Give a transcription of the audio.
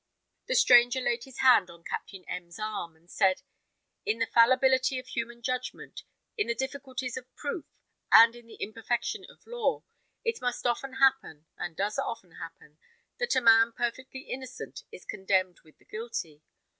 The stranger laid his hand on Captain M 's arm, and said, "In the fallibility of human judgment, in the difficulties of proof, and in the imperfection of law, it must often happen, and does often happen, that a man perfectly innocent is condemned with the guilty.